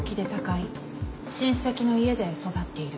親戚の家で育っている。